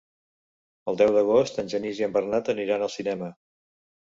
El deu d'agost en Genís i en Bernat aniran al cinema.